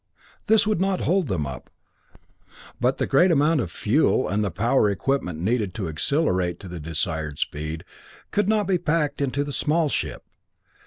This would not hold them up, but the great amount of fuel and the power equipment needed to accelerate to the desired speed could not be packed into the small ship.